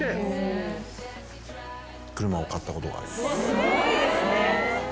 すごいですね。